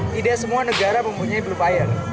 tidak semua negara mempunyai blue fire